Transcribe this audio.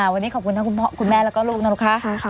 วันนี้ขอบคุณทั้งคุณแม่แล้วก็ลูกนะคะ